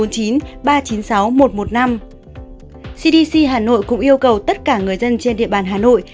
cdc hà nội cũng yêu cầu tất cả người dân trên địa bàn hà nội